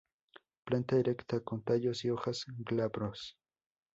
Planta erecta con tallos y hojas glabros.